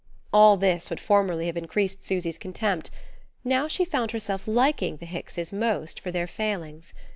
All this would formerly have increased Susy's contempt; now she found herself liking the Hickses most for their failings.